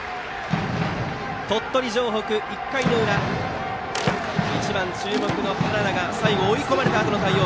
鳥取城北、１回の裏１番、注目の原田が最後、追い込まれたあとの対応。